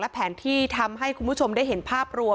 แผนที่ทำให้คุณผู้ชมได้เห็นภาพรวม